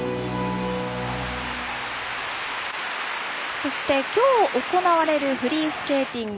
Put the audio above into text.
そして、きょう行われるフリースケーティング。